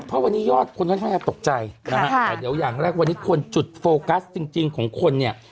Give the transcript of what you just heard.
เพราะวันนี้ยอดคนให้ตกใจค่ะค่ะเดี๋ยวอย่างแรกวันนี้ควรจุดโฟกัสจริงจริงของคนเนี่ย